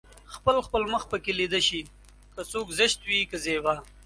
خپل خپل مخ پکې ليده شي که څوک زشت وي که زيبا